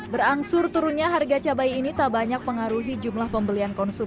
berangsur turunnya harga cabai ini tak banyak pengaruhi jumlah pembelian konsumen